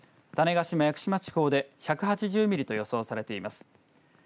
種子島・屋久島地方で１８０ミリと予想されています。